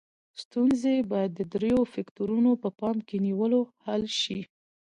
ستونزې باید د دریو فکتورونو په پام کې نیولو حل شي.